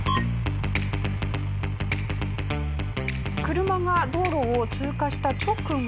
車が道路を通過した直後。